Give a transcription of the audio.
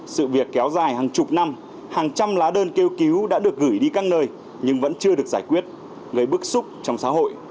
sự việc kéo dài hàng chục năm hàng trăm lá đơn kêu cứu đã được gửi đi căng nơi nhưng vẫn chưa được giải quyết gây bức xúc trong xã hội